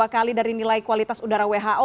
tiga belas dua kali dari nilai kualitas udara who